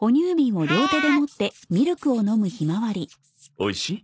おいしい？